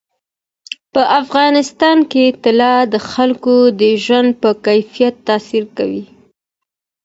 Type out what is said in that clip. په افغانستان کې طلا د خلکو د ژوند په کیفیت تاثیر کوي.